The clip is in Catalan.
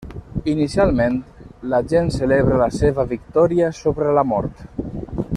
Inicialment, la gent celebra la seva victòria sobre la mort.